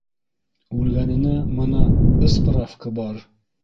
- Үлгәненә, мына, ыспрафка бар!